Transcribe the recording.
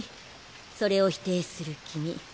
それを否定する君。